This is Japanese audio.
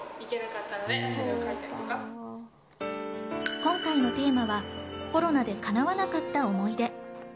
今回のテーマは、コロナでかなわなかった思い出。